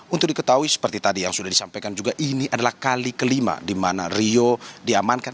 untuk diketahui seperti tadi yang sudah disampaikan juga ini adalah kali kelima di mana rio diamankan